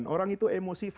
orang itu emosi